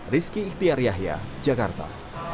rizky ihtiar yahya jakarta